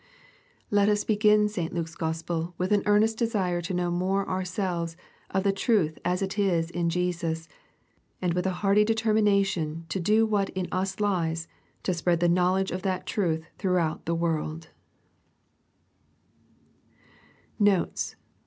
Let us begin St. Luke's Gospel with an earnest desire to know more ourselves of the truth as it is in Jesus, and with a hearty determination to do what in us lies to spread the knowledge of that truth throughout the world* Notes.